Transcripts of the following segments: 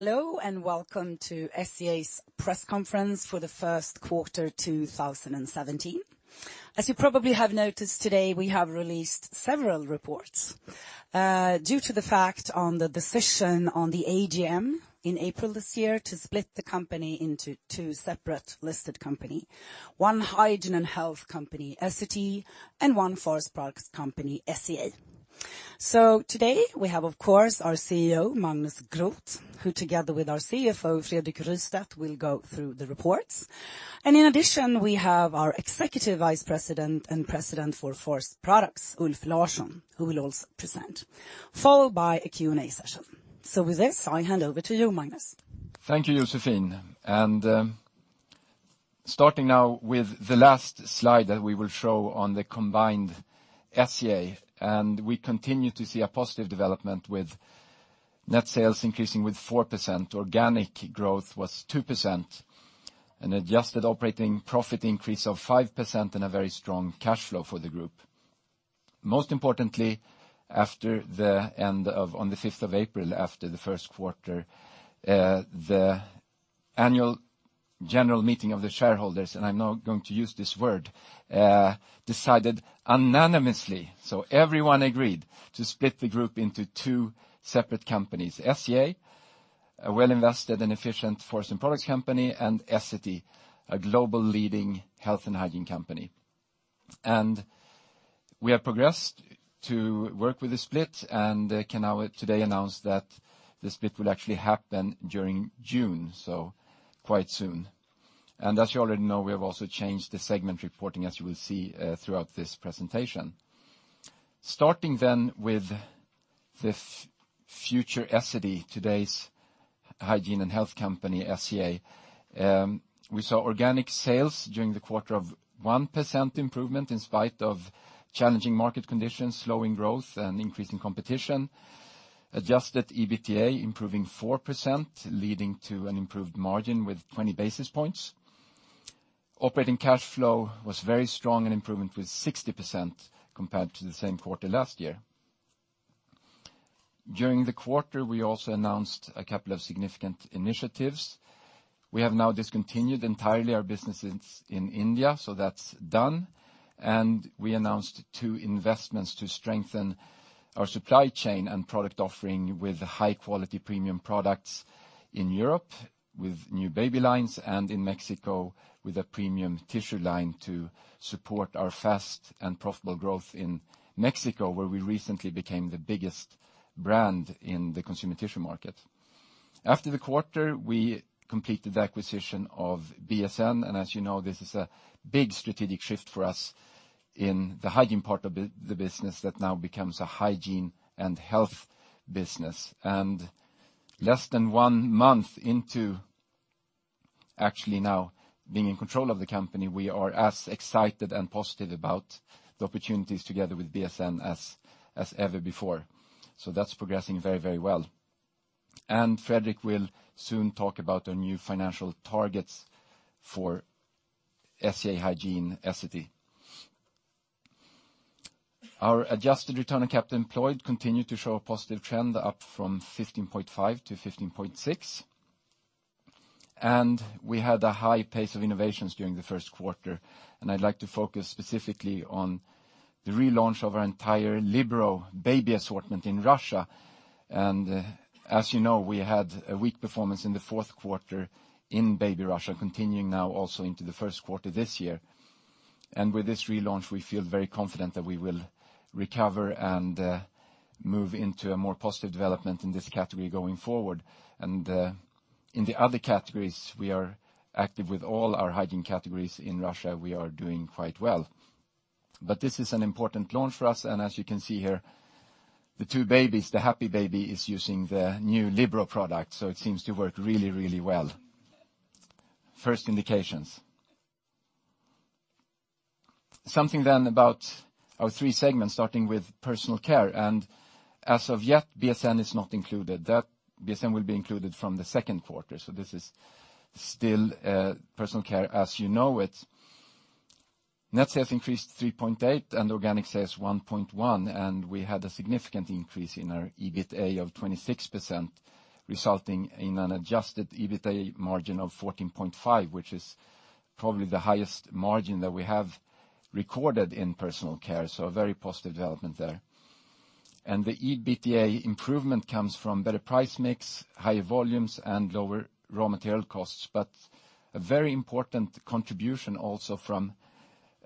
Hello, welcome to SCA's press conference for the first quarter 2017. As you probably have noticed today, we have released several reports. Due to the decision at the AGM in April this year to split the company into two separate listed companies, one hygiene and health company, Essity, and one forest products company, SCA. Today we have, of course, our CEO, Magnus Groth, who together with our CFO, Fredrik Rystedt, will go through the reports. In addition, we have our Executive Vice President and President for Forest Products, Ulf Larsson, who will also present, followed by a Q&A session. With this, I hand over to you, Magnus. Thank you, Joséphine. Starting now with the last slide that we will show on the combined SCA, we continue to see a positive development with net sales increasing 4%, organic growth was 2%, an adjusted operating profit increase 5%, and a very strong cash flow for the group. Most importantly, on the 5th of April, after the first quarter, the annual general meeting of the shareholders, and I'm now going to use this word, decided unanimously, so everyone agreed, to split the group into two separate companies: SCA, a well-invested and efficient forest and products company, and Essity, a global leading health and hygiene company. We have progressed to work with the split and can now today announce that the split will actually happen during June, so quite soon. As you already know, we have also changed the segment reporting, as you will see throughout this presentation. Starting with the future Essity, today's hygiene and health company, SCA. We saw organic sales during the quarter 1% improvement in spite of challenging market conditions, slowing growth, and increasing competition. Adjusted EBITDA improving 4%, leading to an improved margin 20 basis points. Operating cash flow was very strong, an improvement 60% compared to the same quarter last year. During the quarter, we also announced a couple of significant initiatives. We have now discontinued entirely our businesses in India, so that's done. We announced two investments to strengthen our supply chain and product offering with high-quality premium products in Europe with new baby lines and in Mexico with a premium tissue line to support our fast and profitable growth in Mexico, where we recently became the biggest brand in the consumer tissue market. After the quarter, we completed the acquisition of BSN medical. As you know, this is a big strategic shift for us in the hygiene part of the business that now becomes a hygiene and health business. Less than one month into actually now being in control of the company, we are as excited and positive about the opportunities together with BSN medical as ever before. That's progressing very well. Fredrik will soon talk about the new financial targets for SCA Hygiene Essity. Our adjusted return on capital employed continued to show a positive trend, up from 15.5 to 15.6. We had a high pace of innovations during the first quarter, and I'd like to focus specifically on the relaunch of our entire Libero baby assortment in Russia. As you know, we had a weak performance in the fourth quarter in baby Russia, continuing now also into the first quarter this year. With this relaunch, we feel very confident that we will recover and move into a more positive development in this category going forward. In the other categories, we are active with all our hygiene categories in Russia, we are doing quite well. This is an important launch for us. As you can see here, the two babies, the happy baby is using the new Libero product, so it seems to work really well. First indications. Something about our three segments, starting with personal care. As of yet, BSN is not included. BSN will be included from the second quarter, so this is still personal care as you know it. Net sales increased 3.8% and organic sales 1.1%, we had a significant increase in our EBITDA of 26%, resulting in an adjusted EBITDA margin of 14.5%, which is probably the highest margin that we have recorded in personal care, so a very positive development there. The EBITDA improvement comes from better price mix, higher volumes, and lower raw material costs. A very important contribution also from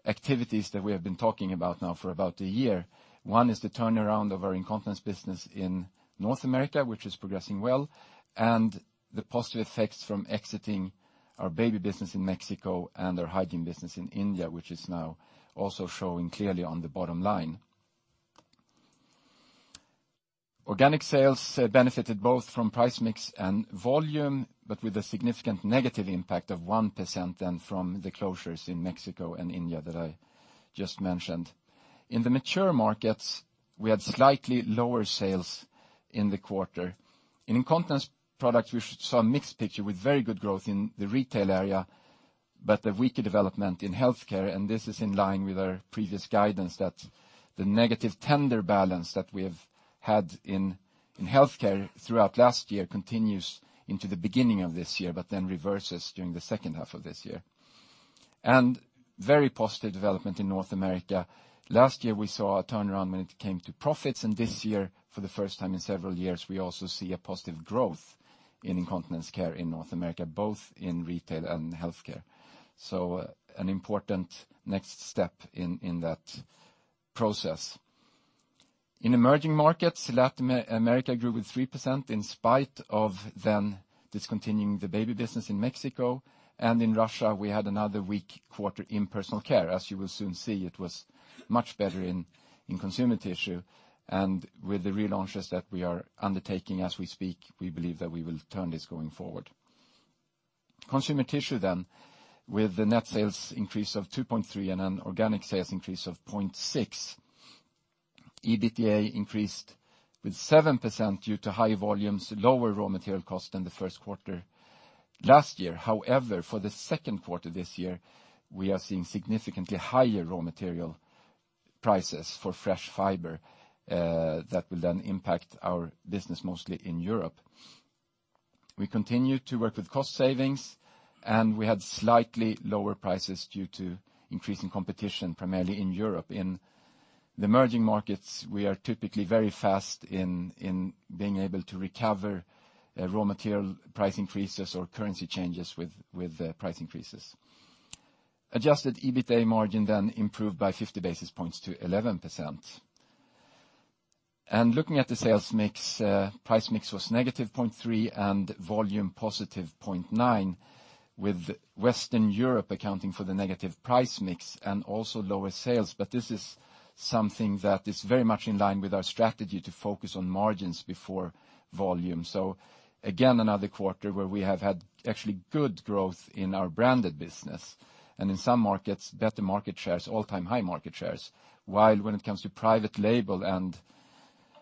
activities that we have been talking about now for about a year. One is the turnaround of our incontinence business in North America, which is progressing well, and the positive effects from exiting our baby business in Mexico and our hygiene business in India, which is now also showing clearly on the bottom line. Organic sales benefited both from price mix and volume, but with a significant negative impact of 1% then from the closures in Mexico and India that I just mentioned. In the mature markets, we had slightly lower sales in the quarter. In incontinence products, we saw a mixed picture with very good growth in the retail area. A weaker development in healthcare, and this is in line with our previous guidance that the negative tender balance that we have had in healthcare throughout last year continues into the beginning of this year, but then reverses during the second half of this year. Very positive development in North America. Last year, we saw a turnaround when it came to profits, this year, for the first time in several years, we also see a positive growth in incontinence care in North America, both in retail and healthcare. An important next step in that process. In emerging markets, Latin America grew with 3% in spite of them discontinuing the baby business in Mexico. In Russia, we had another weak quarter in personal care. As you will soon see, it was much better in consumer tissue. With the relaunches that we are undertaking as we speak, we believe that we will turn this going forward. Consumer tissue, with the net sales increase of 2.3% and an organic sales increase of 0.6%. EBITDA increased with 7% due to high volumes, lower raw material cost than the first quarter last year. For the second quarter this year, we are seeing significantly higher raw material prices for fresh fiber that will then impact our business mostly in Europe. We continue to work with cost savings. We had slightly lower prices due to increasing competition, primarily in Europe. In the emerging markets, we are typically very fast in being able to recover raw material price increases or currency changes with price increases. Adjusted EBITDA margin improved by 50 basis points to 11%. Looking at the sales mix, price mix was negative 0.3% and volume positive 0.9%, with Western Europe accounting for the negative price mix and also lower sales. This is something that is very much in line with our strategy to focus on margins before volume. Again, another quarter where we have had actually good growth in our branded business, and in some markets, better market shares, all-time high market shares. While when it comes to private label and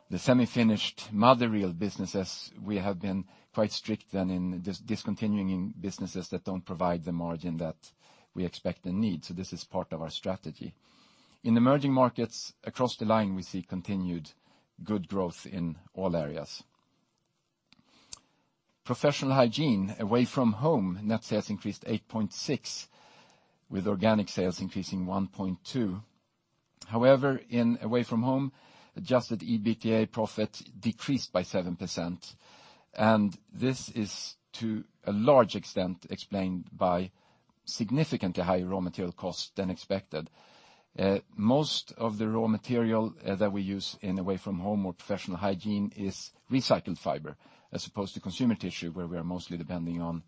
the semi-finished mother reel businesses, we have been quite strict then in discontinuing businesses that don't provide the margin that we expect and need. This is part of our strategy. In emerging markets across the line, we see continued good growth in all areas. Professional hygiene, away from home, net sales increased 8.6%, with organic sales increasing 1.2%. In away from home, adjusted EBITDA profit decreased by 7%, and this is to a large extent explained by significantly higher raw material costs than expected. Most of the raw material that we use in away from home or professional hygiene is recycled fiber, as opposed to consumer tissue where we are mostly depending on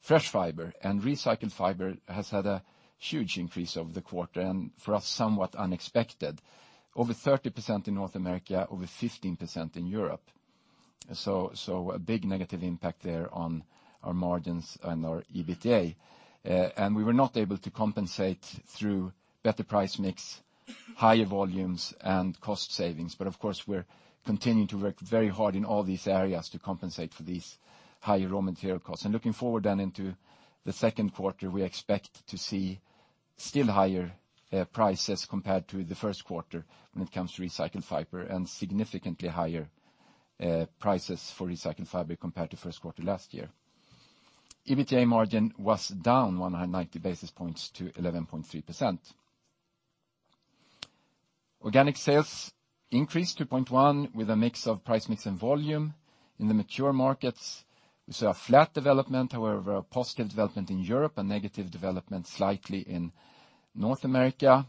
fresh fiber. Recycled fiber has had a huge increase over the quarter, and for us, somewhat unexpected. Over 30% in North America, over 15% in Europe. A big negative impact there on our margins and our EBITDA. We were not able to compensate through better price mix, higher volumes, and cost savings. Of course, we're continuing to work very hard in all these areas to compensate for these higher raw material costs. Looking forward then into the second quarter, we expect to see still higher prices compared to the first quarter when it comes to recycled fiber, and significantly higher prices for recycled fiber compared to first quarter last year. EBITDA margin was down 190 basis points to 11.3%. Organic sales increased 2.1% with a mix of price mix and volume. In the mature markets, we saw a flat development, however, a positive development in Europe, a negative development slightly in North America.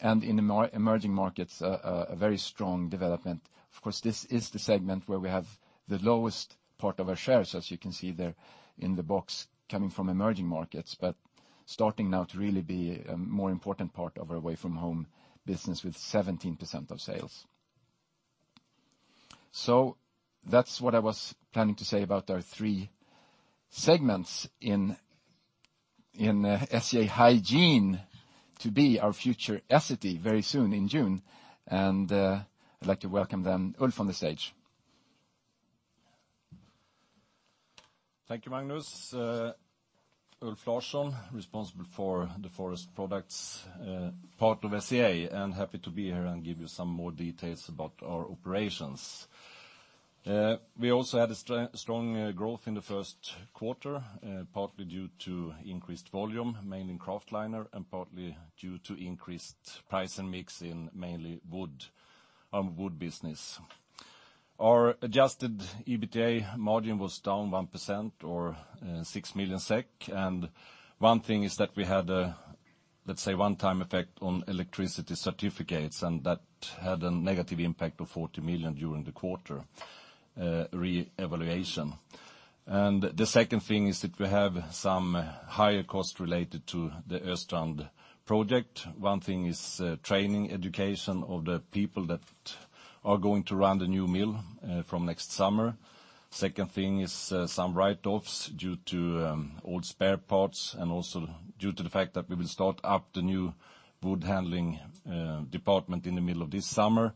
In emerging markets, a very strong development. Of course, this is the segment where we have the lowest part of our shares, as you can see there in the box coming from emerging markets. Starting now to really be a more important part of our away from home business with 17% of sales. That's what I was planning to say about our three segments in SCA Hygiene to be our future entity very soon in June. I'd like to welcome then Ulf on the stage. Thank you, Magnus. Ulf Larsson, responsible for the Forest Products part of SCA, and happy to be here and give you some more details about our operations. We also had a strong growth in the first quarter, partly due to increased volume, mainly in kraftliner, and partly due to increased price and mix in mainly wood business. Our adjusted EBITDA margin was down 1% or 6 million SEK. One thing is that we had a one-time effect on electricity certificates, and that had a negative impact of 40 million during the quarter reevaluation. The second thing is that we have some higher costs related to the Östrand project. One thing is training education of the people that are going to run the new mill from next summer. Second thing is some write-offs due to old spare parts, and also due to the fact that we will start up the new wood handling department in the middle of this summer.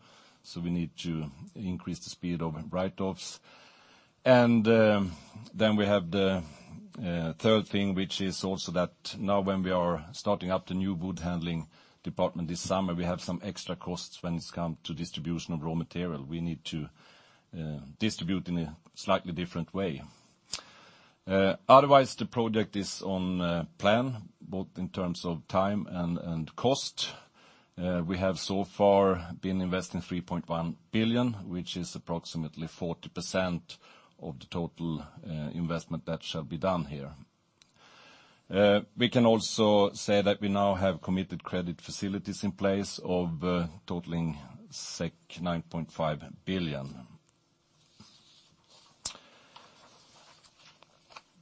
We need to increase the speed of write-offs. We have the third thing, which is also that now when we are starting up the new wood handling department this summer, we have some extra costs when it comes to distribution of raw material. We need to distribute in a slightly different way. Otherwise, the project is on plan, both in terms of time and cost. We have so far been investing 3.1 billion, which is approximately 40% of the total investment that shall be done here. We can also say that we now have committed credit facilities in place totaling 9.5 billion.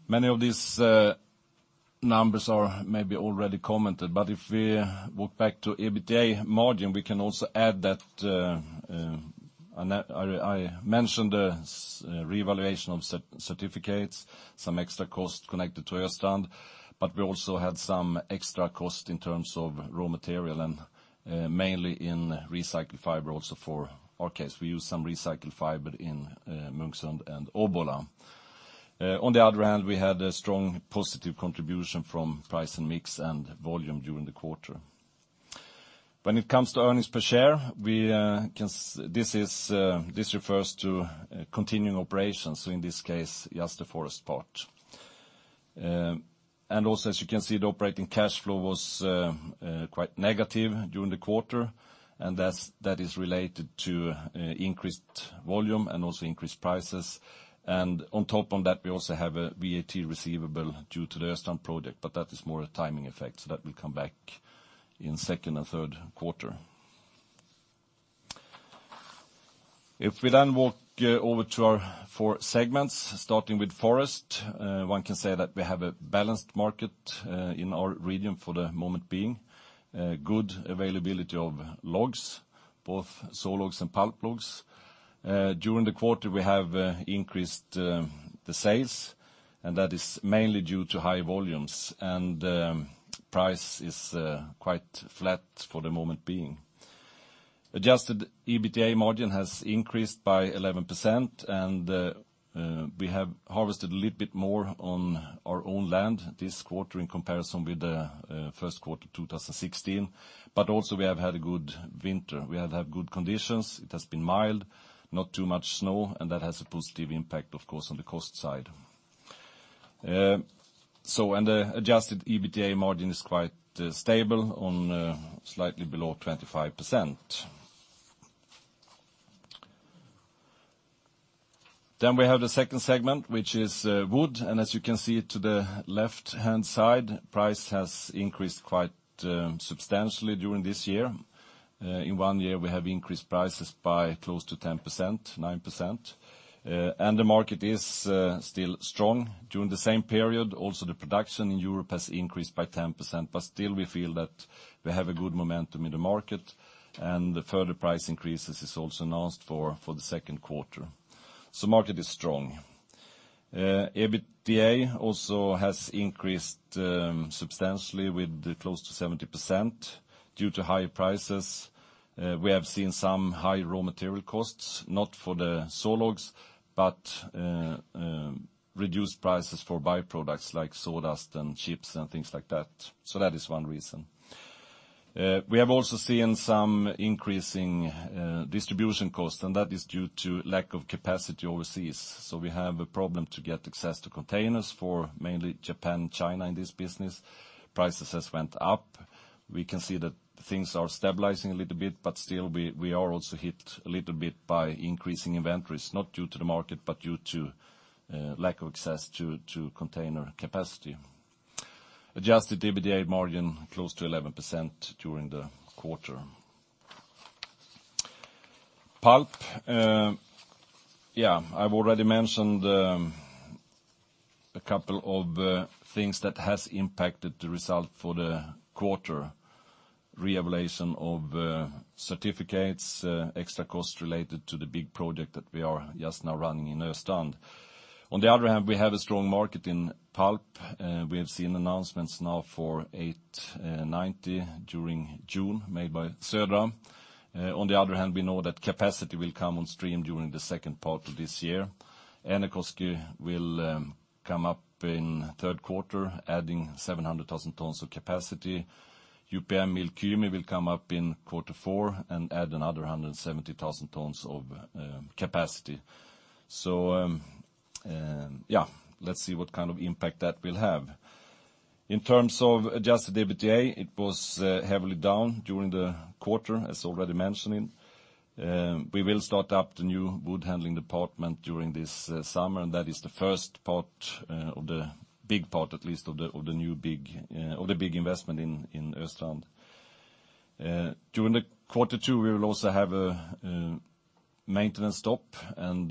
Many of these numbers are maybe already commented, but if we walk back to EBITDA margin, we can also add that I mentioned the reevaluation of certificates, some extra costs connected to Östrand. We also had some extra costs in terms of raw material and mainly in recycled fiber also for our case. We use some recycled fiber in Munksund and Obbola. On the other hand, we had a strong positive contribution from price and mix and volume during the quarter. When it comes to earnings per share, this refers to continuing operations, so in this case, just the forest part. Also, as you can see, the operating cash flow was quite negative during the quarter, and that is related to increased volume and also increased prices. On top of that, we also have a VAT receivable due to the Östrand project. That is more a timing effect, so that will come back in second and third quarter. If we then walk over to our four segments, starting with forest, one can say that we have a balanced market in our region for the moment being. Good availability of logs, both saw logs and pulp logs. During the quarter, we have increased the sales, and that is mainly due to high volumes. Price is quite flat for the moment being. Adjusted EBITDA margin has increased by 11%. We have harvested a little bit more on our own land this quarter in comparison with the first quarter 2016. Also we have had a good winter. We have had good conditions. It has been mild, not too much snow, that has a positive impact, of course, on the cost side. The adjusted EBITDA margin is quite stable on slightly below 25%. We have the second segment, which is wood, as you can see to the left-hand side, price has increased quite substantially during this year. In one year, we have increased prices by close to 10%, 9%. The market is still strong. During the same period, also the production in Europe has increased by 10%, still we feel that we have a good momentum in the market, and the further price increases is also announced for the second quarter. Market is strong. EBITDA also has increased substantially with close to 70% due to high prices. We have seen some high raw material costs, not for the saw logs, but reduced prices for byproducts like sawdust and chips and things like that. That is one reason. We have also seen some increasing distribution costs, that is due to lack of capacity overseas. We have a problem to get access to containers for mainly Japan, China in this business. Prices has went up. We can see that things are stabilizing a little bit, still we are also hit a little bit by increasing inventories, not due to the market, but due to lack of access to container capacity. Adjusted EBITDA margin close to 11% during the quarter. Pulp. I've already mentioned a couple of things that has impacted the result for the quarter. Reevaluation of certificates, extra costs related to the big project that we are just now running in Östrand. On the other hand, we have a strong market in pulp. We have seen announcements now for 890 during June made by Södra. On the other hand, we know that capacity will come on stream during the second part of this year. Äänekoski will come up in third quarter, adding 700,000 tons of capacity. UPM Kymi will come up in quarter four and add another 170,000 tons of capacity. Let's see what kind of impact that will have. In terms of adjusted EBITDA, it was heavily down during the quarter, as already mentioned. We will start up the new wood handling department during this summer, and that is the first part of the big part, at least of the big investment in Östrand. During the quarter two, we will also have a maintenance stop, and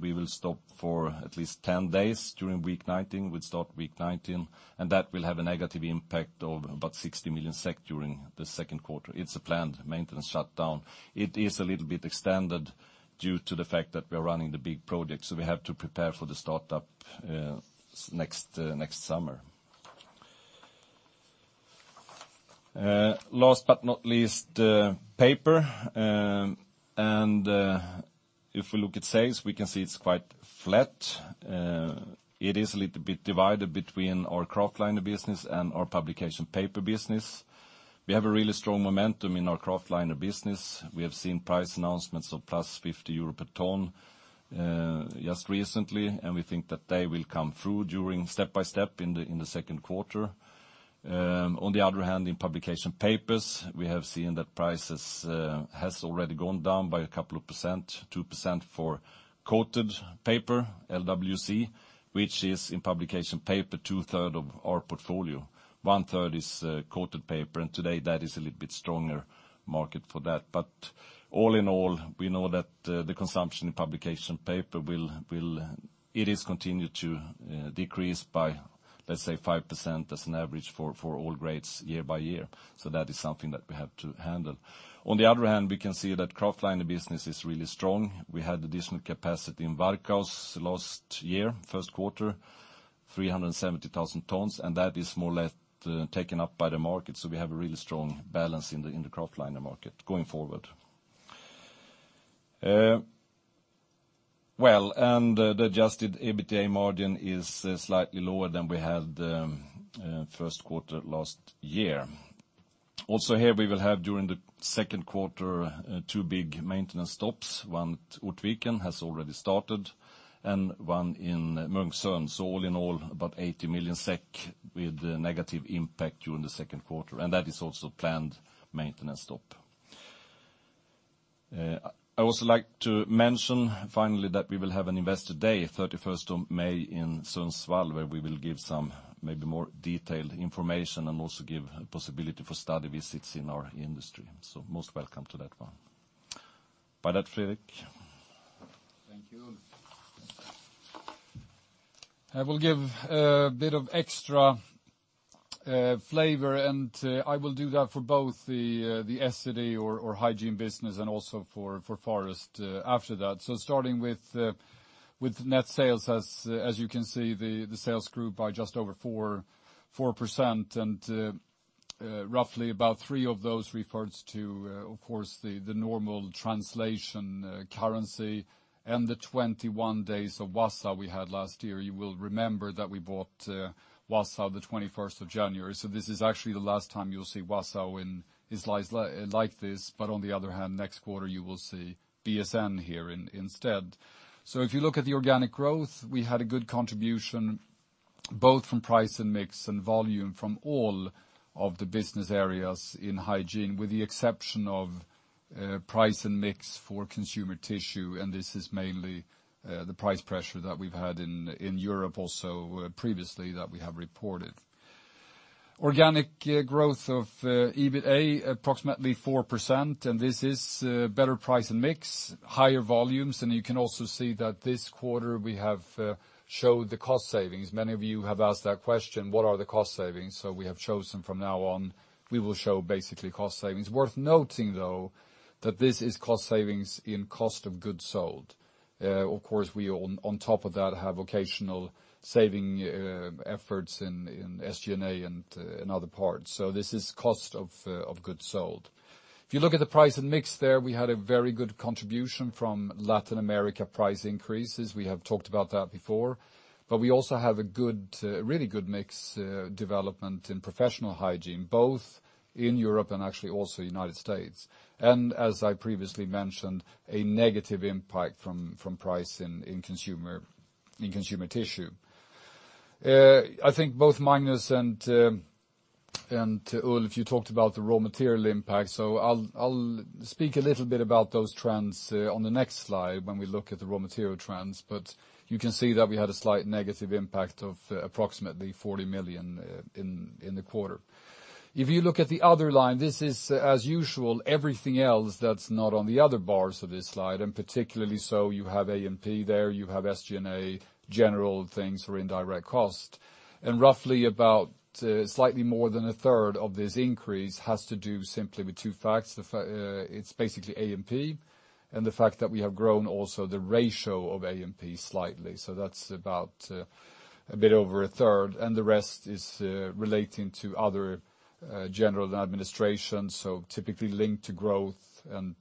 we will stop for at least 10 days during week 19. We'll start week 19, that will have a negative impact of about 60 million SEK during the second quarter. It's a planned maintenance shutdown. It is a little bit extended due to the fact that we are running the big project, we have to prepare for the startup next summer. Last but not least, paper. If we look at sales, we can see it's quite flat. It is a little bit divided between our kraftliner business and our publication paper business. We have a really strong momentum in our kraftliner business. We have seen price announcements of plus 50 euro per ton just recently, we think that they will come through step-by-step in the second quarter. On the other hand, in publication papers, we have seen that prices has already gone down by a couple of percent, 2% for coated paper, LWC, which is in publication paper two-third of our portfolio. One-third is coated paper, and today that is a little bit stronger market for that. All in all, we know that the consumption in publication paper will continue to decrease by, let's say, 5% as an average for all grades year by year. That is something that we have to handle. On the other hand, we can see that kraftliner business is really strong. We had additional capacity in Varkaus last year, first quarter, 370,000 tons, and that is more or less taken up by the market. We have a really strong balance in the kraftliner market going forward. The adjusted EBITDA margin is slightly lower than we had first quarter last year. Also here, we will have during the second quarter two big maintenance stops. One at Ortviken has already started, and one in Munkfors. All in all, about 80 million SEK with negative impact during the second quarter, and that is also planned maintenance stop. I also like to mention finally that we will have an investor day 31st of May in Sundsvall, where we will give some maybe more detailed information and also give possibility for study visits in our industry. Most welcome to that one. By that, Fredrik. Thank you. I will give a bit of extra flavor, and I will do that for both the Essity or hygiene business and also for forest after that. Starting with net sales. As you can see, the sales grew by just over 4%, and roughly about three of those refers to, of course, the normal translation currency and the 21 days of Wausau we had last year. You will remember that we bought Wausau the 21st of January. This is actually the last time you'll see Wausau like this. On the other hand, next quarter you will see BSN here instead. If you look at the organic growth, we had a good contribution both from price and mix and volume from all of the business areas in hygiene, with the exception of price and mix for consumer tissue, and this is mainly the price pressure that we've had in Europe also previously that we have reported. Organic growth of EBITA approximately 4%, and this is better price and mix, higher volumes. You can also see that this quarter we have showed the cost savings. Many of you have asked that question, what are the cost savings? We have chosen from now on, we will show basically cost savings. Worth noting though, that this is cost savings in cost of goods sold. Of course, we on top of that have occasional saving efforts in SG&A and other parts. This is cost of goods sold. If you look at the price and mix there, we had a very good contribution from Latin America price increases. We have talked about that before. We also have a really good mix development in professional hygiene, both in Europe and actually also United States. As I previously mentioned, a negative impact from price in consumer tissue. I think both Magnus and Ulf, you talked about the raw material impact, so I'll speak a little bit about those trends on the next slide when we look at the raw material trends. You can see that we had a slight negative impact of approximately 40 million in the quarter. If you look at the other line, this is as usual, everything else that's not on the other bars of this slide, and particularly so you have A&P there, you have SG&A, general things for indirect cost. Roughly about slightly more than a third of this increase has to do simply with two facts. It's basically A&P, and the fact that we have grown also the ratio of A&P slightly. That's about a bit over a third, and the rest is relating to other general administration, so typically linked to growth and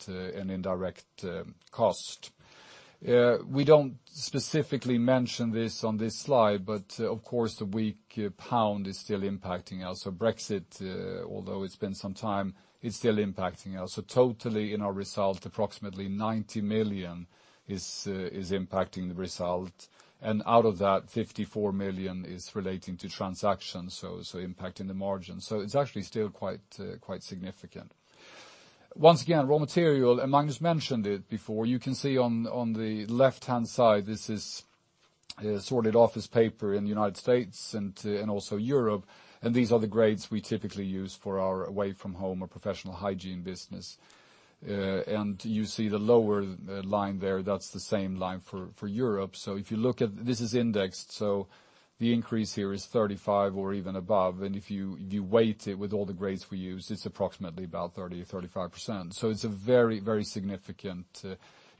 indirect cost. We don't specifically mention this on this slide, but of course the weak pound is still impacting us. Brexit, although it's been some time, is still impacting us. Totally in our result, approximately 90 million is impacting the result. Out of that, 54 million is relating to transactions, so impacting the margin. It's actually still quite significant. Once again, raw material, and Magnus mentioned it before. You can see on the left-hand side, this is sorted office paper in the United States and also Europe. These are the grades we typically use for our away-from-home or professional hygiene business. You see the lower line there, that's the same line for Europe. This is indexed. The increase here is 35 or even above. If you weight it with all the grades we use, it's approximately about 30%-35%. It's a very, very significant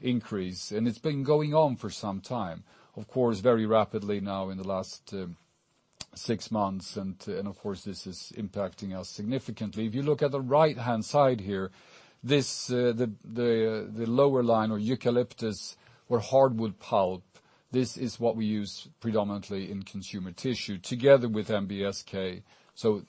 increase. It's been going on for some time. Of course, very rapidly now in the last six months, and of course, this is impacting us significantly. If you look at the right-hand side here, the lower line or eucalyptus or hardwood pulp, this is what we use predominantly in consumer tissue together with NBSK,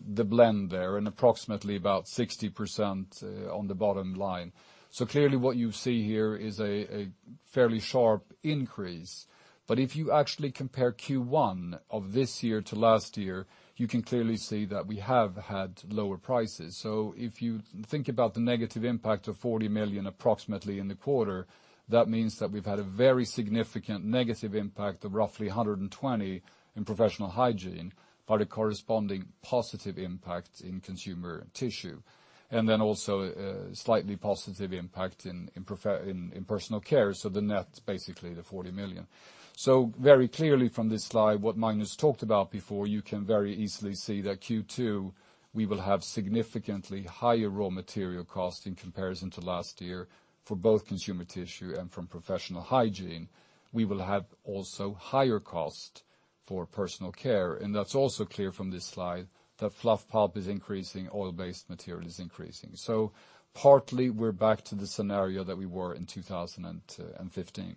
the blend there, and approximately about 60% on the bottom line. Clearly what you see here is a fairly sharp increase. If you actually compare Q1 of this year to last year, you can clearly see that we have had lower prices. If you think about the negative impact of 40 million approximately in the quarter, that means that we've had a very significant negative impact of roughly 120 million in professional hygiene, but a corresponding positive impact in consumer tissue. Then also a slightly positive impact in personal care, the net's basically the 40 million. Very clearly from this slide, what Magnus talked about before, you can very easily see that Q2, we will have significantly higher raw material cost in comparison to last year for both consumer tissue and from professional hygiene. We will have also higher cost for personal care. That's also clear from this slide that fluff pulp is increasing, oil-based material is increasing. Partly we're back to the scenario that we were in 2015.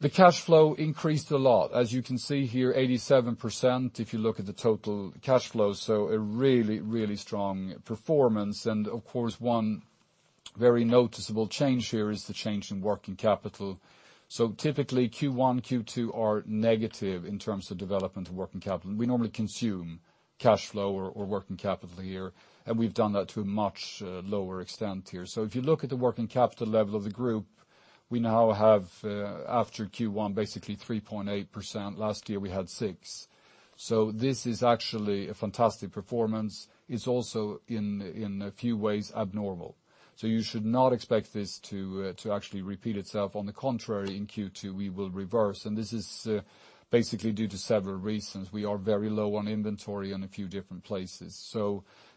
The cash flow increased a lot. As you can see here, 87%, if you look at the total cash flow, a really strong performance. Of course, one very noticeable change here is the change in working capital. Typically Q1, Q2 are negative in terms of development of working capital. We normally consume cash flow or working capital here, and we've done that to a much lower extent here. If you look at the working capital level of the group, we now have, after Q1, basically 3.8%. Last year we had 6%. This is actually a fantastic performance. It's also in a few ways abnormal. You should not expect this to actually repeat itself. On the contrary, in Q2 we will reverse, and this is basically due to several reasons. We are very low on inventory in a few different places.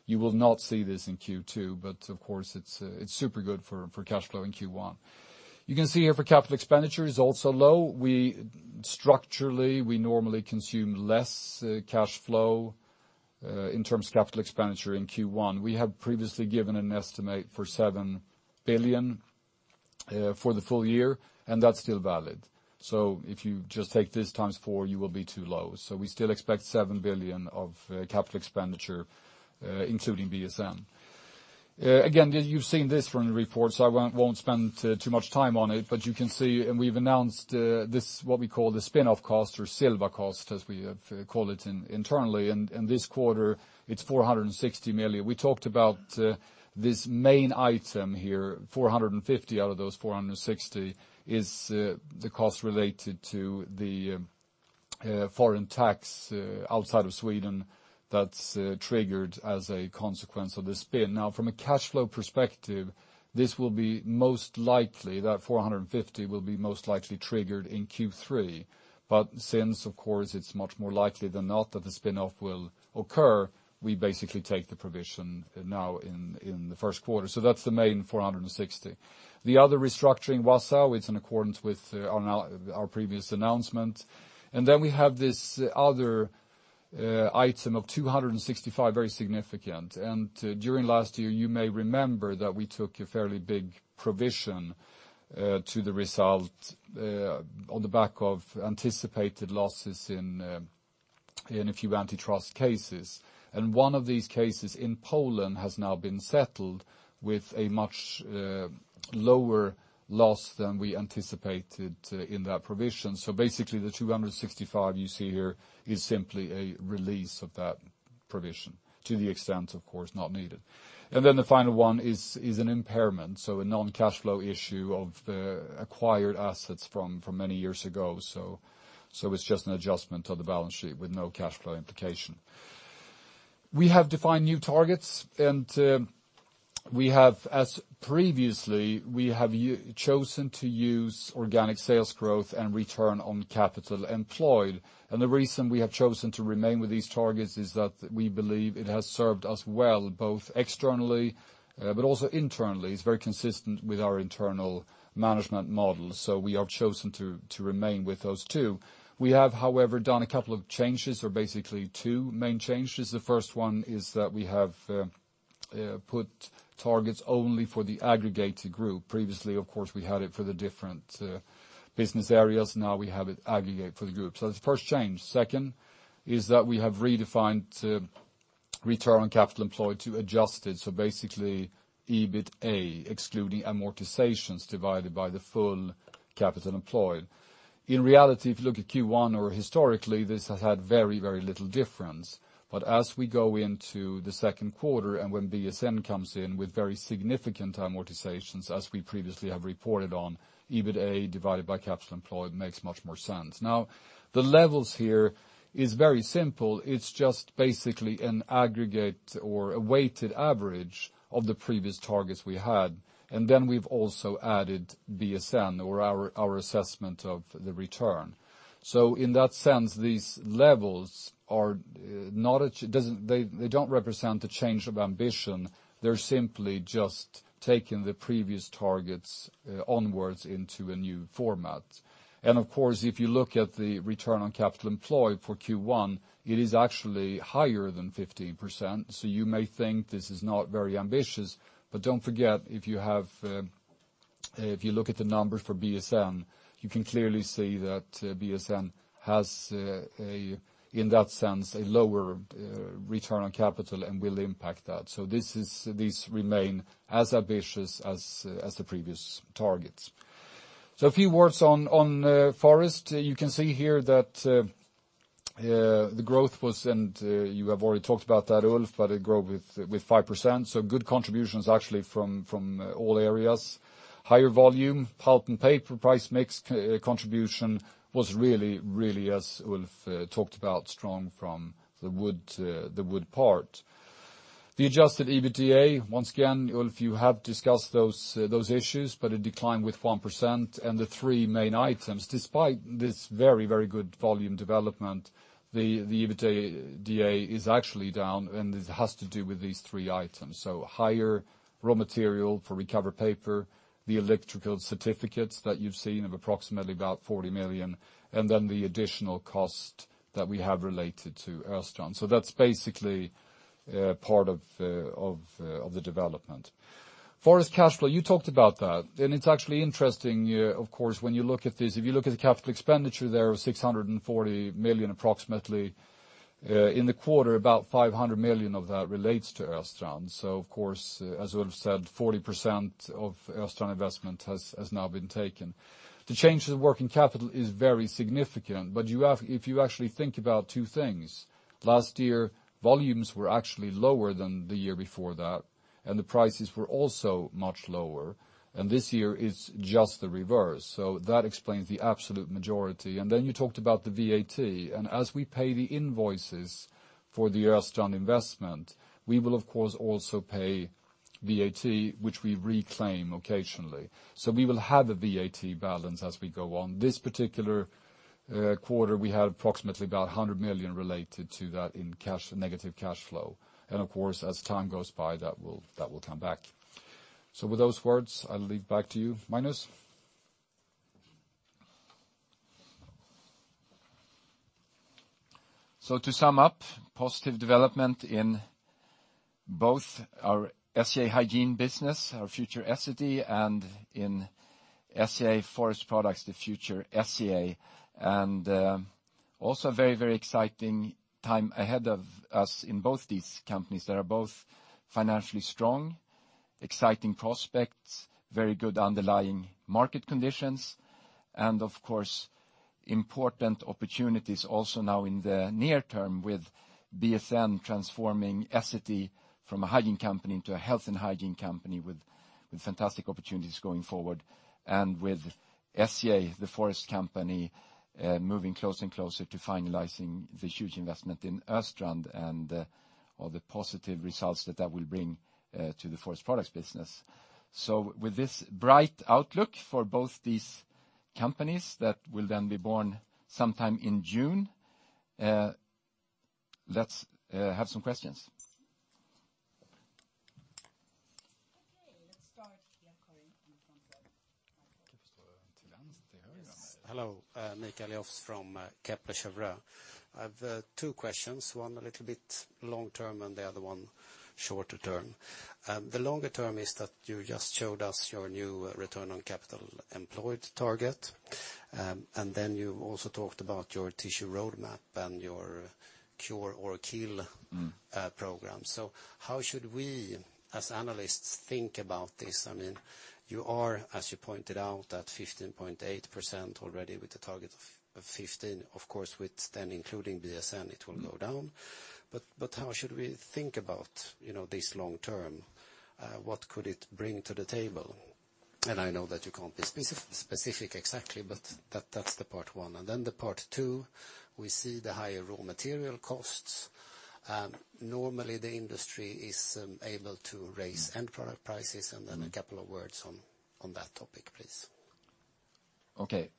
You will not see this in Q2, but of course, it's super good for cash flow in Q1. You can see here for capital expenditure is also low. Structurally, we normally consume less cash flow, in terms of capital expenditure in Q1. We have previously given an estimate for 7 billion for the full year, and that's still valid. If you just take this times four, you will be too low. We still expect 7 billion of capital expenditure, including BSN. You've seen this from the report, so I won't spend too much time on it. You can see, and we've announced this, what we call the spin-off cost or Silva cost, as we have called it internally. This quarter, it's 460 million. We talked about this main item here, 450 out of those 460, is the cost related to the foreign tax outside of Sweden that's triggered as a consequence of the spin. From a cash flow perspective, that 450 will be most likely triggered in Q3. Since, of course, it's much more likely than not that the spin-off will occur, we basically take the provision now in the first quarter. That's the main 460. The other restructuring, Wausau, it's in accordance with our previous announcement. Then we have this other item of 265, very significant. During last year, you may remember that we took a fairly big provision to the result on the back of anticipated losses in a few antitrust cases. One of these cases in Poland has now been settled with a much lower loss than we anticipated in that provision. Basically, the 265 you see here is simply a release of that provision to the extent, of course, not needed. Then the final one is an impairment, a non-cash flow issue of acquired assets from many years ago. It's just an adjustment of the balance sheet with no cash flow implication. We have defined new targets. As previously, we have chosen to use organic sales growth and return on capital employed. The reason we have chosen to remain with these targets is that we believe it has served us well, both externally but also internally. It's very consistent with our internal management model. We have chosen to remain with those two. We have, however, done a couple of changes or basically two main changes. The first one is that we have put targets only for the aggregated group. Previously, of course, we had it for the different business areas. Now we have it aggregated for the group. That's the first change. Second is that we have redefined return on capital employed to adjusted. Basically, EBITA, excluding amortizations divided by the full capital employed. In reality, if you look at Q1 or historically, this has had very, very little difference. As we go into the second quarter and when BSN comes in with very significant amortizations, as we previously have reported on, EBITA divided by capital employed makes much more sense. The levels here is very simple. It's just basically an aggregate or a weighted average of the previous targets we had, and then we've also added BSN or our assessment of the return. In that sense, these levels, they don't represent a change of ambition. They're simply just taking the previous targets onwards into a new format. Of course, if you look at the return on capital employed for Q1, it is actually higher than 15%. You may think this is not very ambitious, but don't forget, if you look at the numbers for BSN, you can clearly see that BSN has, in that sense, a lower return on capital and will impact that. These remain as ambitious as the previous targets. A few words on Forest. You can see here that the growth was, you have already talked about that, Ulf, it grew with 5%. Good contributions actually from all areas. Higher volume, pulp and paper price mix contribution was really, as Ulf talked about, strong from the wood part. The adjusted EBITDA, once again, Ulf, you have discussed those issues, a decline with 1%. The three main items, despite this very good volume development, the EBITDA is actually down, it has to do with these three items. Higher raw material for recovered paper, the electricity certificates that you've seen of approximately about 40 million, and then the additional cost that we have related to Östrand. That's basically part of the development. Forest cash flow, you talked about that, it's actually interesting, of course, when you look at this, if you look at the capital expenditure there of 640 million, approximately, in the quarter, about 500 million of that relates to Östrand. Of course, as Ulf said, 40% of Östrand investment has now been taken. The change to the working capital is very significant, if you actually think about two things. Last year, volumes were actually lower than the year before that, the prices were also much lower, this year it's just the reverse. That explains the absolute majority. You talked about the VAT, as we pay the invoices for the Östrand investment, we will of course also pay VAT, which we reclaim occasionally. We will have a VAT balance as we go on. This particular quarter, we had approximately about 100 million related to that in negative cash flow. Of course, as time goes by, that will come back. With those words, I'll leave back to you, Magnus. To sum up, positive development in both our SCA Hygiene business, our future Essity, and in SCA Forest Products, the future SCA, and also a very exciting time ahead of us in both these companies that are both financially strong, exciting prospects, very good underlying market conditions, and of course, important opportunities also now in the near term with BSN transforming Essity from a hygiene company into a health and hygiene company with fantastic opportunities going forward, and with SCA, the forest company, moving closer and closer to finalizing the huge investment in Östrand and all the positive results that that will bring to the Forest Products business. With this bright outlook for both these companies that will then be born sometime in June, let's have some questions. Let's start here, Karin, in the front row. Hello. Mikael Jåfs from Kepler Cheuvreux. I have two questions, one a little bit long term and the other one shorter term. The longer term is that you just showed us your new return on capital employed target, then you also talked about your tissue roadmap and your cure or kill program. How should we, as analysts, think about this? You are, as you pointed out, at 15.8% already with a target of 15%. Of course, with then including BSN, it will go down. How should we think about this long term? What could it bring to the table? I know that you can't be specific exactly, but that's the part one. Part two, we see the higher raw material costs. Normally, the industry is able to raise end product prices, then a couple of words on that topic, please.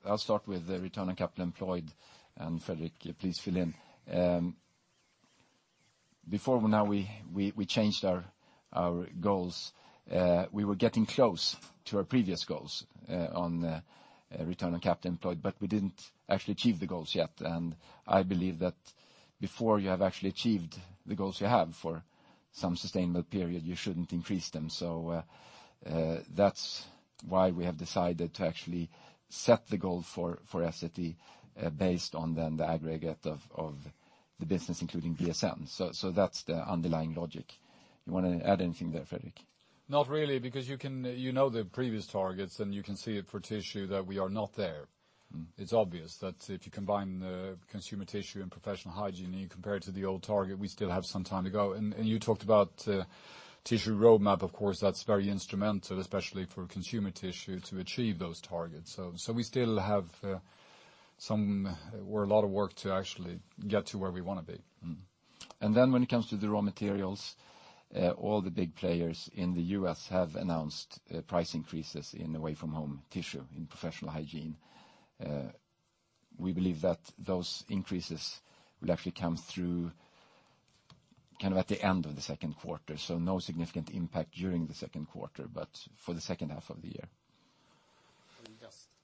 I'll start with the return on capital employed, Fredrik, please fill in. Before now we changed our goals, we were getting close to our previous goals on return on capital employed, we didn't actually achieve the goals yet. I believe that before you have actually achieved the goals you have for some sustainable period, you shouldn't increase them. That's why we have decided to actually set the goal for Essity based on then the aggregate of the business, including BSN. That's the underlying logic. You want to add anything there, Fredrik? Not really, because you know the previous targets, and you can see it for tissue that we are not there. It's obvious that if you combine the consumer tissue and professional hygiene compared to the old target, we still have some time to go. You talked about tissue roadmap. Of course, that's very instrumental, especially for consumer tissue, to achieve those targets. We still have a lot of work to actually get to where we want to be. When it comes to the raw materials, all the big players in the U.S. have announced price increases in away-from-home tissue, in professional hygiene. We believe that those increases will actually come through at the end of the second quarter. No significant impact during the second quarter, but for the second half of the year.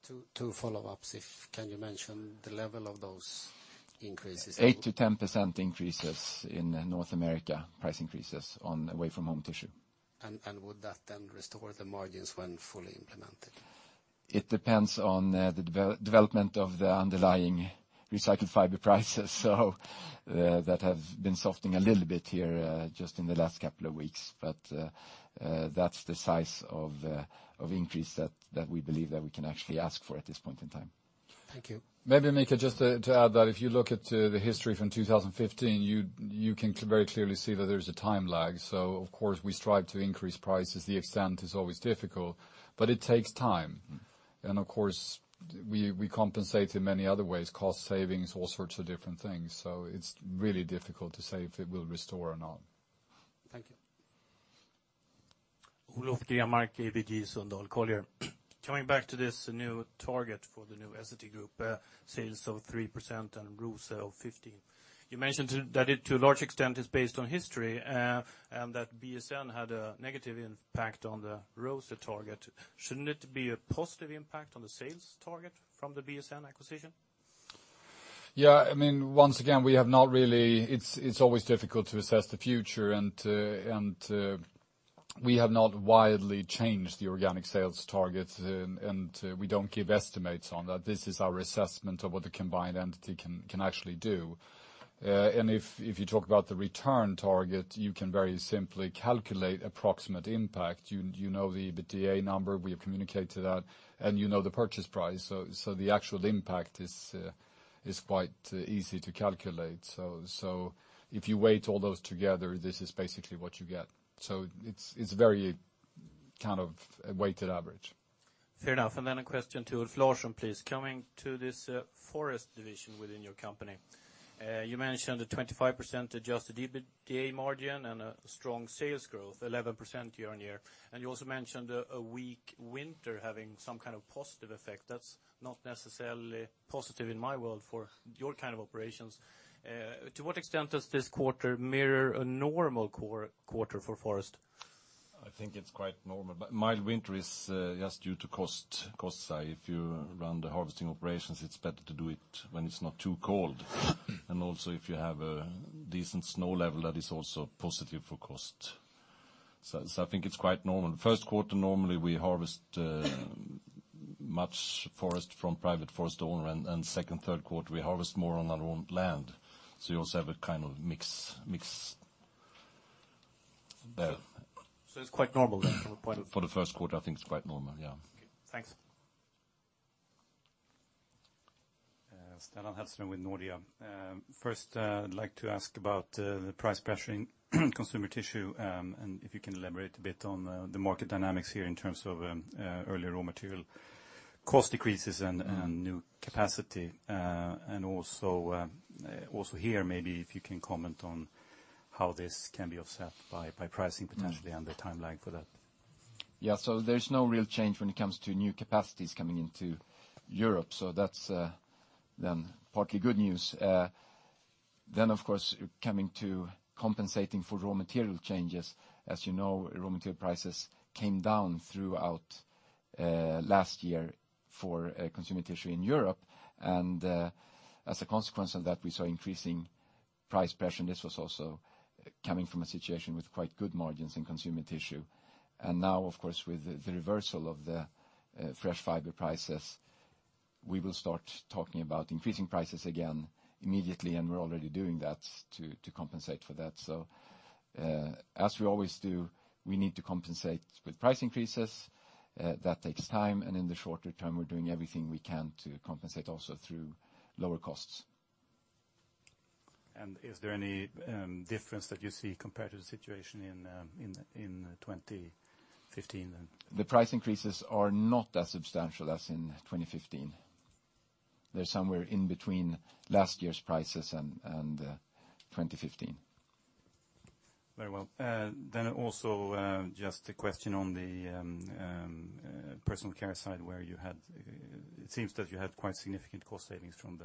Just two follow-ups. Can you mention the level of those increases? 8%-10% increases in North America, price increases on away-from-home tissue. Would that then restore the margins when fully implemented? It depends on the development of the underlying recycled fiber prices, that have been softening a little bit here just in the last couple of weeks. That's the size of increase that we believe that we can actually ask for at this point in time. Thank you. Maybe, Mika, just to add that if you look at the history from 2015, you can very clearly see that there's a time lag. Of course, we strive to increase prices. The extent is always difficult, but it takes time. Of course, we compensate in many other ways, cost savings, all sorts of different things. It's really difficult to say if it will restore or not. Thank you. Olof Garrard, ABG Sundal Collier. Coming back to this new target for the new Essity group, sales of 3% and ROCE of 15%. You mentioned that it, to a large extent, is based on history, and that BSN had a negative impact on the ROCE target. Shouldn't it be a positive impact on the sales target from the BSN acquisition? Once again, it's always difficult to assess the future. We have not widely changed the organic sales targets. We don't give estimates on that. This is our assessment of what the combined entity can actually do. If you talk about the return target, you can very simply calculate approximate impact. You know the EBITDA number, we have communicated that. You know the purchase price. The actual impact is quite easy to calculate. If you weight all those together, this is basically what you get. It's very weighted average. Fair enough. Then a question to Ulf Larsson, please. Coming to this forest division within your company. You mentioned the 25% adjusted EBITDA margin and a strong sales growth, 11% year-on-year. You also mentioned a weak winter having some kind of positive effect. That's not necessarily positive in my world for your kind of operations. To what extent does this quarter mirror a normal quarter for forest? I think it's quite normal. Mild winter is just due to cost side. If you run the harvesting operations, it's better to do it when it's not too cold. Also, if you have a decent snow level, that is also positive for cost. I think it's quite normal. First quarter, normally, we harvest much forest from private forest owner, and second, third quarter, we harvest more on our own land. You also have a kind of mix there. It's quite normal then from the point of- For the first quarter, I think it's quite normal, yeah. Okay, thanks. Stellan Hesselgren with Nordea. First, I'd like to ask about the price pressuring consumer tissue, and if you can elaborate a bit on the market dynamics here in terms of earlier raw material cost decreases and new capacity. Also here, maybe if you can comment on how this can be offset by pricing potentially, and the timeline for that. Yeah. There's no real change when it comes to new capacities coming into Europe. That's then partly good news. Of course, coming to compensating for raw material changes. As you know, raw material prices came down throughout last year for consumer tissue in Europe. As a consequence of that, we saw increasing price pressure, and this was also coming from a situation with quite good margins in consumer tissue. Now, of course, with the reversal of the fresh fiber prices, we will start talking about increasing prices again immediately, and we're already doing that to compensate for that. As we always do, we need to compensate with price increases. That takes time, and in the shorter term, we're doing everything we can to compensate also through lower costs. Is there any difference that you see compared to the situation in 2015 then? The price increases are not as substantial as in 2015. They're somewhere in between last year's prices and 2015. Very well. Also just a question on the Personal Care side where it seems that you had quite significant cost savings from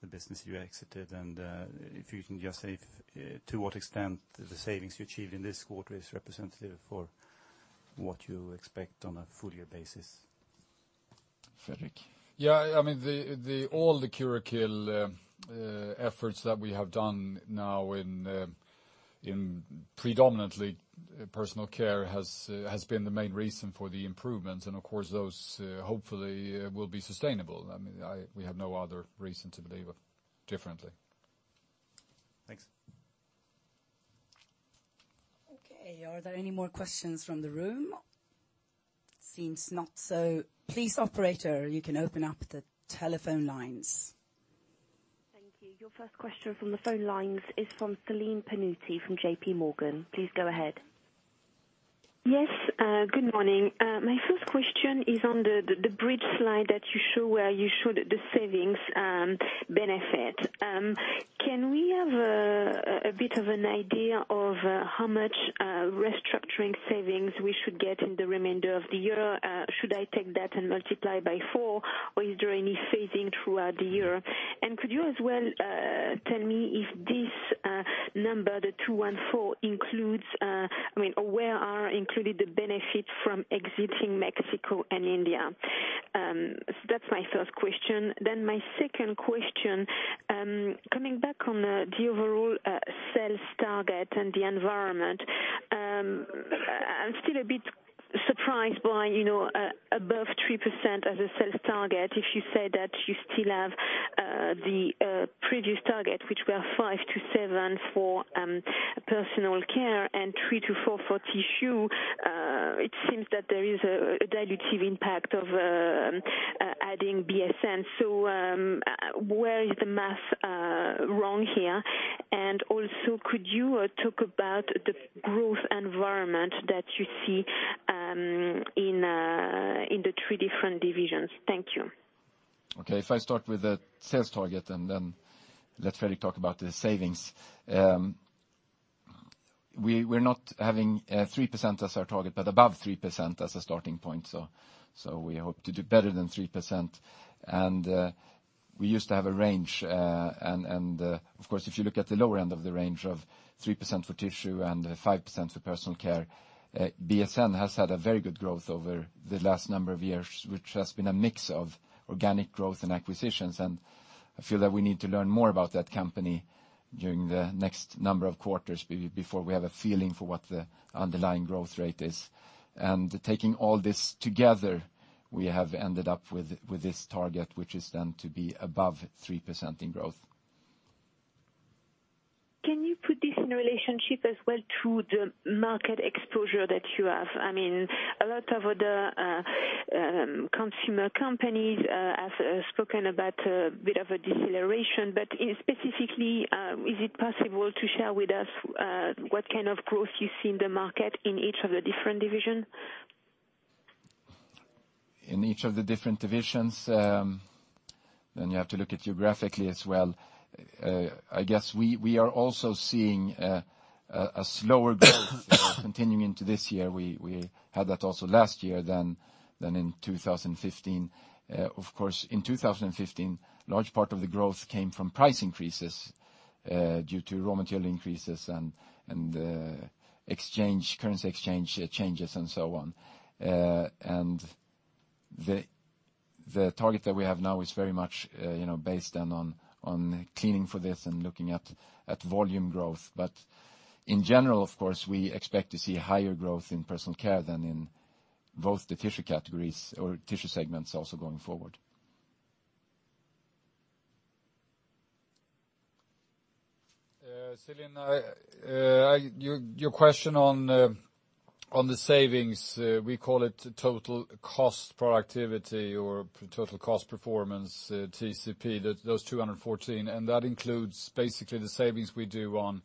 the business you exited, and if you can just say to what extent the savings you achieved in this quarter is representative for what you expect on a full year basis. Fredrik? All the cure or kill efforts that we have done now in predominantly Personal Care has been the main reason for the improvements, those hopefully will be sustainable. We have no other reason to believe differently. Thanks. Are there any more questions from the room? Seems not. Please, operator, you can open up the telephone lines. Thank you. Your first question from the phone lines is from Celine Pannuti from J.P. Morgan. Please go ahead. Yes. Good morning. My first question is on the bridge slide that you show where you showed the savings benefit. Can we have a bit of an idea of how much restructuring savings we should get in the remainder of the year? Should I take that and multiply by 4, or is there any phasing throughout the year? Could you as well tell me if this number, the 214, where are included the benefit from exiting Mexico and India? That's my first question. My second question, coming back on the overall sales target and the environment. I'm still a bit surprised by above 3% as a sales target. If you say that you still have the previous target, which were 5%-7% for personal care and 3%-4% for tissue, it seems that there is a dilutive impact of adding BSN. Where is the math wrong here? Also, could you talk about the growth environment that you see in the 3 different divisions? Thank you. Okay. If I start with the sales target, then let Fredrik talk about the savings. We're not having 3% as our target, but above 3% as a starting point. We hope to do better than 3%. We used to have a range, of course, if you look at the lower end of the range of 3% for tissue and 5% for personal care, BSN has had a very good growth over the last number of years, which has been a mix of organic growth and acquisitions. I feel that we need to learn more about that company during the next number of quarters, before we have a feeling for what the underlying growth rate is. Taking all this together, we have ended up with this target, which is then to be above 3% in growth. Can you put this in relationship as well to the market exposure that you have? A lot of other consumer companies have spoken about a bit of a deceleration, specifically, is it possible to share with us what kind of growth you see in the market in each of the different division? In each of the different divisions, then you have to look at geographically as well. I guess we are also seeing a slower growth continuing into this year. We had that also last year, then in 2015. Of course, in 2015, large part of the growth came from price increases due to raw material increases and currency exchange changes and so on. The target that we have now is very much based then on cleaning for this and looking at volume growth. In general, of course, we expect to see higher growth in Personal Care than in both the tissue categories or tissue segments also going forward. Celine, your question on the savings, we call it total cost productivity or total cost performance, TCP, those 214. That includes basically the savings we do on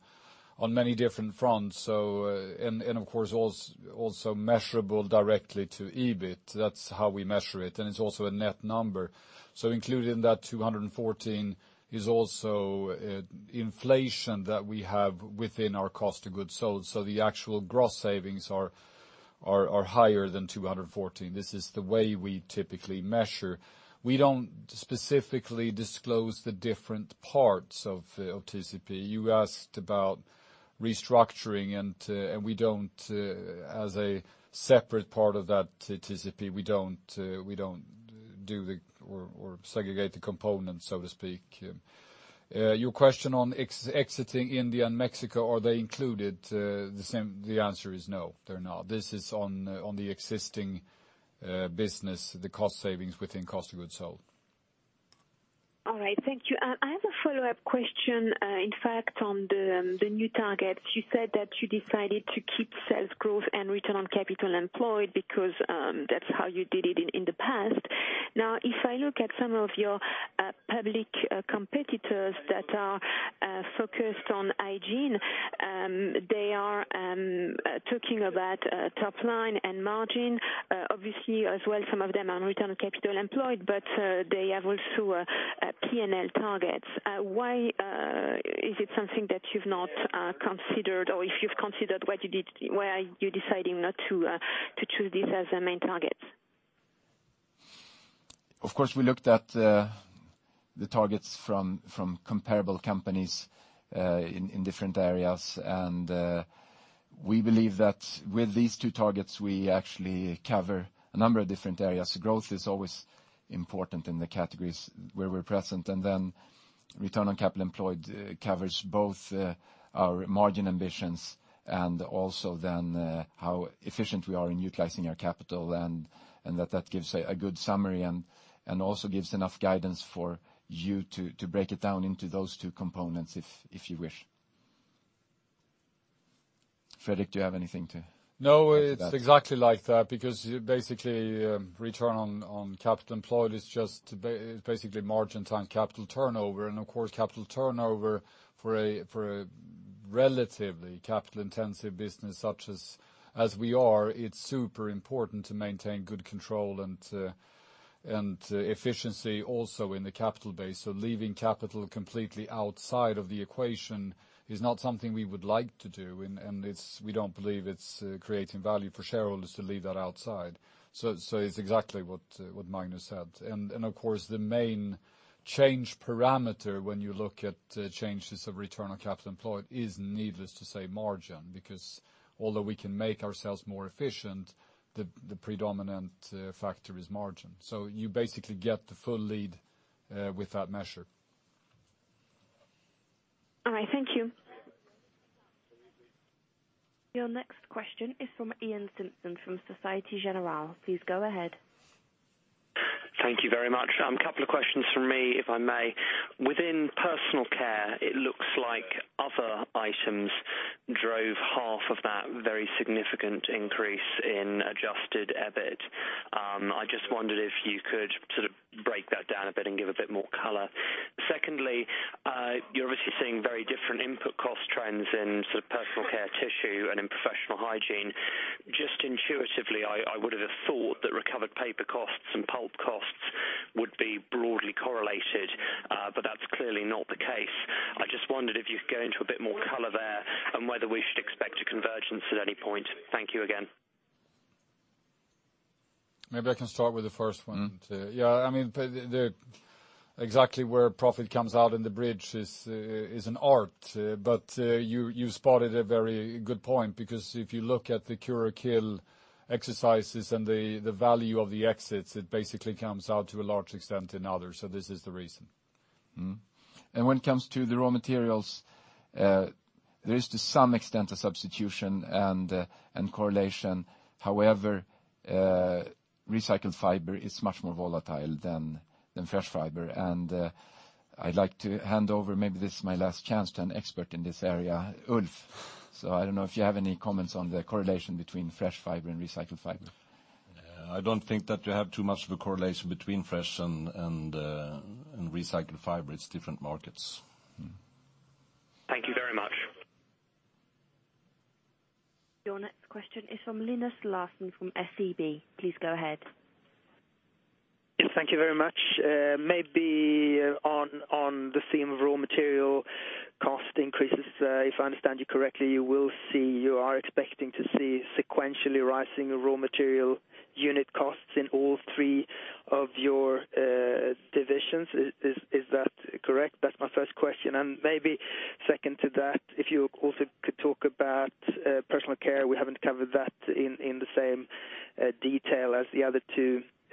many different fronts. Of course, also measurable directly to EBIT. That's how we measure it. It's also a net number. Included in that 214 is also inflation that we have within our cost of goods sold. The actual gross savings are higher than 214. This is the way we typically measure. We don't specifically disclose the different parts of TCP. You asked about restructuring. We don't as a separate part of that TCP do or segregate the components, so to speak. Your question on exiting India and Mexico, are they included? The answer is no, they're not. This is on the existing business, the cost savings within cost of goods sold. All right. Thank you. I have a follow-up question, in fact, on the new targets. You said that you decided to keep sales growth and Return on Capital Employed because that's how you did it in the past. Now, if I look at some of your public competitors that are focused on hygiene, they are talking about top line and margin. Obviously, as well, some of them are Return on Capital Employed. They have also P&L targets. Why is it something that you've not considered, or if you've considered, why are you deciding not to choose this as a main target? Of course, we looked at the targets from comparable companies in different areas. We believe that with these two targets, we actually cover a number of different areas. Growth is always important in the categories where we're present. Return on Capital Employed covers both our margin ambitions and also then how efficient we are in utilizing our capital, and that gives a good summary and also gives enough guidance for you to break it down into those two components, if you wish. Fredrik, do you have anything to add to that? No, it's exactly like that because return on capital employed is just margin time capital turnover. Of course, capital turnover for a relatively capital-intensive business such as we are, it's super important to maintain good control and efficiency also in the capital base. Leaving capital completely outside of the equation is not something we would like to do, and we don't believe it's creating value for shareholders to leave that outside. It's exactly what Magnus said. Of course, the main change parameter when you look at changes of return on capital employed is needless to say, margin, because although we can make ourselves more efficient, the predominant factor is margin. You basically get the full lead with that measure. All right, thank you. Your next question is from Iain Simpson from Société Générale. Please go ahead. Thank you very much. Couple of questions from me, if I may. Within personal care, it looks like other items drove half of that very significant increase in adjusted EBIT. I just wondered if you could sort of break that down a bit and give a bit more color. Secondly, you're obviously seeing very different input cost trends in personal care tissue and in professional hygiene. Intuitively, I would have thought that recovered paper costs and pulp costs would be broadly correlated, but that's clearly not the case. I just wondered if you could go into a bit more color there and whether we should expect a convergence at any point. Thank you again. Maybe I can start with the first one. Yeah, exactly where profit comes out in the bridge is an art, but you spotted a very good point because if you look at the cure or kill exercises and the value of the exits, it basically comes out to a large extent in others. This is the reason. When it comes to the raw materials, there is to some extent a substitution and correlation. However, recycled fiber is much more volatile than fresh fiber, and I'd like to hand over, maybe this is my last chance, to an expert in this area, Ulf. I don't know if you have any comments on the correlation between fresh fiber and recycled fiber. I don't think that you have too much of a correlation between fresh and recycled fiber. It's different markets. Thank you very much. Your next question is from Linus Larsson from SEB. Please go ahead. Thank you very much. Maybe on the theme of raw material cost increases, if I understand you correctly, you are expecting to see sequentially rising raw material unit costs in all three of your divisions. Is that correct? That's my first question, and maybe second to that, if you also could talk about personal care. We haven't covered that in the same detail as the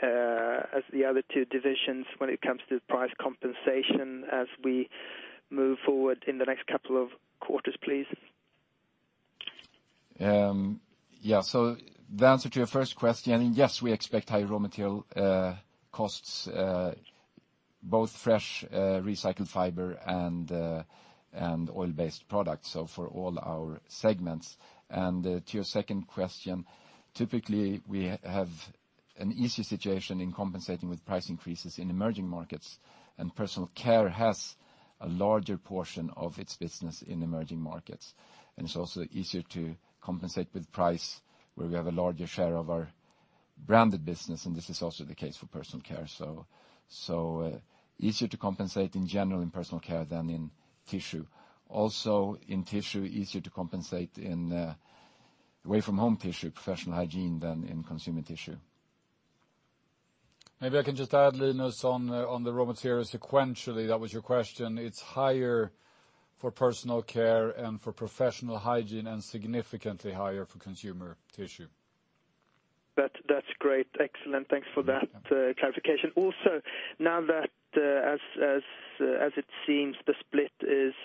other two divisions when it comes to price compensation as we move forward in the next couple of quarters, please. Yeah. The answer to your first question, yes, we expect high raw material costs, both fresh recycled fiber and oil-based products, for all our segments. To your second question, typically, we have an easier situation in compensating with price increases in emerging markets, and personal care has a larger portion of its business in emerging markets. It's also easier to compensate with price where we have a larger share of our branded business, and this is also the case for personal care. Easier to compensate in general in personal care than in tissue. Also, in tissue, easier to compensate in away from home tissue professional hygiene than in consumer tissue. Maybe I can just add, Linus, on the raw material sequentially, that was your question. It's higher for personal care and for professional hygiene and significantly higher for consumer tissue. That's great. Excellent. Thanks for that clarification. Now that as it seems the split is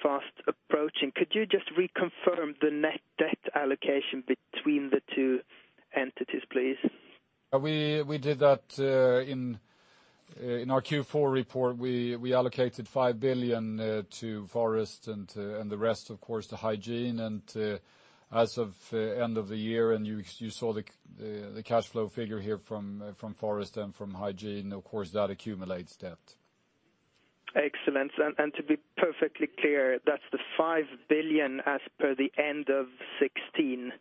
fast approaching, could you just reconfirm the net debt allocation between the two entities, please? We did that in our Q4 report. We allocated 5 billion to forest and the rest, of course, to hygiene. As of end of the year, you saw the cash flow figure here from forest and from hygiene, of course, that accumulates debt. Excellent. To be perfectly clear, that's the 5 billion as per the end of 2016.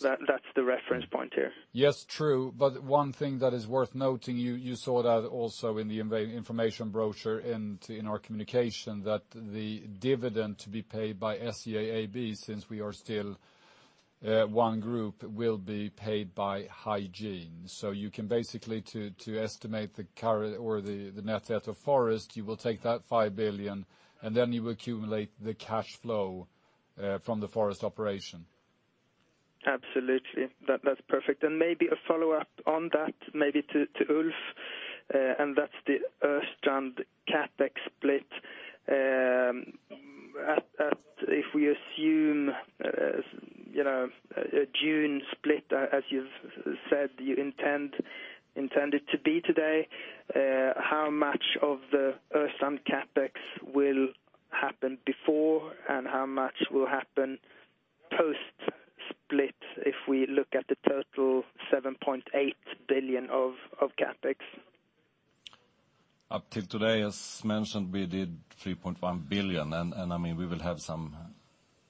That's the reference point here. Yes, true. One thing that is worth noting, you saw that also in the information brochure and in our communication that the dividend to be paid by SCA AB, since we are still one group, will be paid by hygiene. You can basically, to estimate the current or the net debt of forest, you will take that 5 billion, and then you accumulate the cash flow from the forest operation. Absolutely. That's perfect. Maybe a follow-up on that, maybe to Ulf, and that's the Östrand CapEx split. If we assume a June split, as you've said you intend it to be today, how much of the Östrand CapEx will happen before and how much will happen post-split if we look at the total 7.8 billion of CapEx? Up till today, as mentioned, we did 3.1 billion, We will have some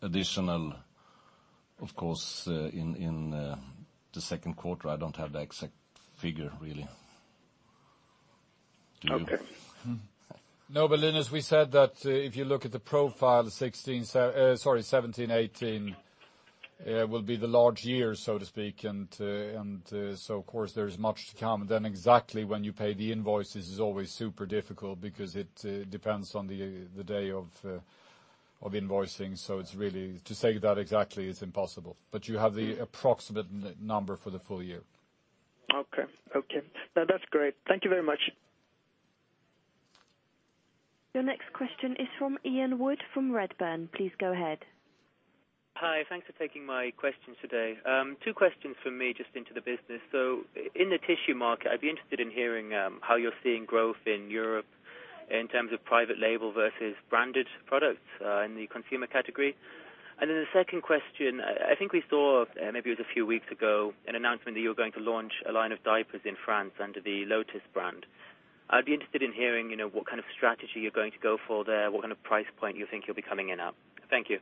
additional, of course, in the second quarter. I don't have the exact figure, really. Do you? Okay. No, Linus, we said that if you look at the profile, 2017, 2018 will be the large years, so to speak, Of course there is much to come. Exactly when you pay the invoices is always super difficult because it depends on the day of invoicing. To say that exactly is impossible. You have the approximate number for the full year. Okay. No, that's great. Thank you very much. Your next question is from Ian Wood from Redburn. Please go ahead. Hi. Thanks for taking my questions today. two questions from me, just into the business. In the tissue market, I'd be interested in hearing how you're seeing growth in Europe in terms of private label versus branded products in the consumer category. The second question, I think we saw, maybe it was a few weeks ago, an announcement that you were going to launch a line of diapers in France under the Lotus brand. I'd be interested in hearing what kind of strategy you're going to go for there, what kind of price point you think you'll be coming in at. Thank you.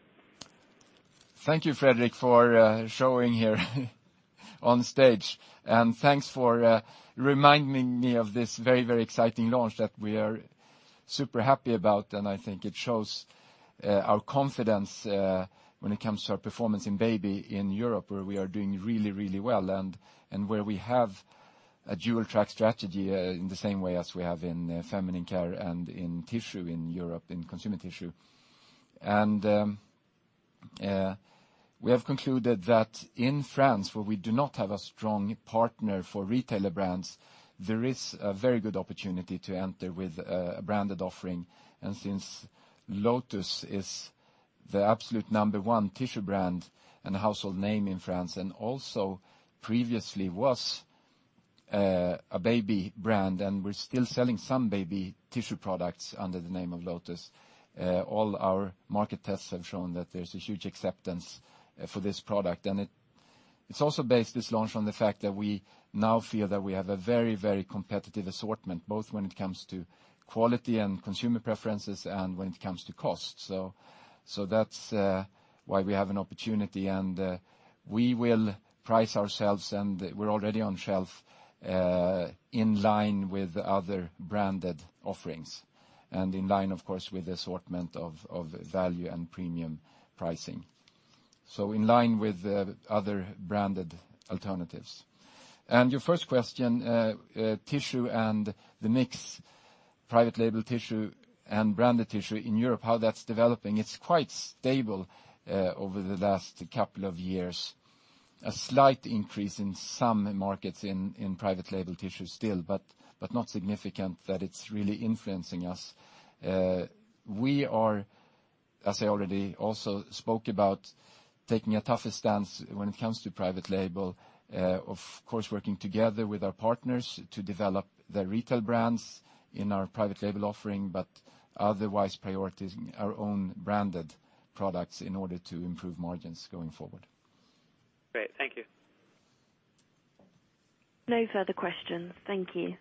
Thank you, Fredrik, for showing here on stage, and thanks for reminding me of this very exciting launch that we are super happy about. I think it shows our confidence when it comes to our performance in baby in Europe, where we are doing really well, and where we have a dual-track strategy in the same way as we have in feminine care and in tissue in Europe, in consumer tissue. We have concluded that in France, where we do not have a strong partner for retailer brands, there is a very good opportunity to enter with a branded offering. Since Lotus is the absolute number one tissue brand and a household name in France, also previously was a baby brand, and we're still selling some baby tissue products under the name of Lotus, all our market tests have shown that there's a huge acceptance for this product. It's also based, this launch, on the fact that we now feel that we have a very competitive assortment, both when it comes to quality and consumer preferences and when it comes to cost. That's why we have an opportunity, and we will price ourselves, and we're already on shelf, in line with other branded offerings, and in line, of course, with the assortment of value and premium pricing. In line with other branded alternatives. Your first question, tissue and the mix, private label tissue and branded tissue in Europe, how that's developing. It's quite stable over the last couple of years. A slight increase in some markets in private label tissue still, but not significant that it's really influencing us. We are, as I already also spoke about, taking a tougher stance when it comes to private label. Of course, working together with our partners to develop their retail brands in our private label offering, but otherwise prioritizing our own branded products in order to improve margins going forward. Great. Thank you. No further questions. Thank you.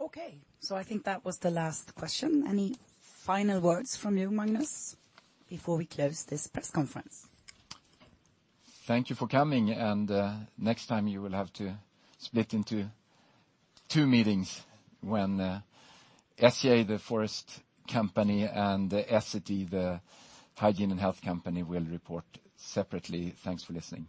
Okay. I think that was the last question. Any final words from you, Magnus, before we close this press conference? Thank you for coming, and next time you will have to split into two meetings when SCA, the forest company, and Essity, the hygiene and health company, will report separately. Thanks for listening.